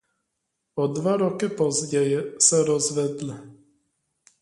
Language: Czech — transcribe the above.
O dva roky později se rozvedli.